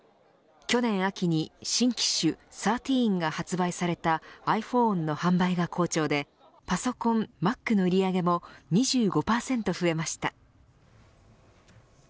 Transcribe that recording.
去年秋に新機種１３が発売されたｉＰｈｏｎｅの販売が好調でパソコンＭａｃの売り上げも２５％増えました。